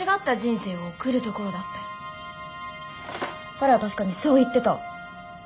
彼は確かにそう言ってた。